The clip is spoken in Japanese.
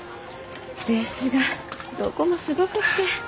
ですがどこもすごくって。